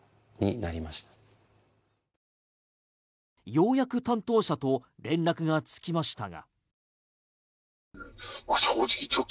ようやく担当者と連絡がつきましたが。